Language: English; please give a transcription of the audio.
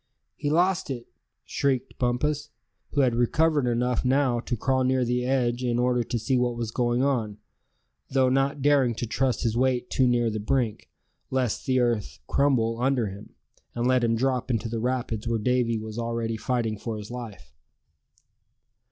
"He lost it!" shrieked Bumpus, who had recovered enough now to crawl near the edge in order to see what was going on; though not daring to trust his weight too near the brink, lest the earth crumble under him, and let him drop into the rapids where Davy was already fighting for his life.